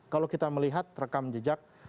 kalau kita melihat rekam jejak